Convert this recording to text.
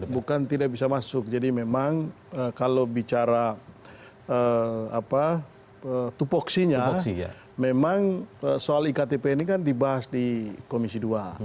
bukan tidak bisa masuk jadi memang kalau bicara tupoksinya memang soal iktp ini kan dibahas di komisi dua